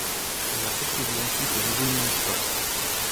Il la poursuivit ensuite au niveau municipal.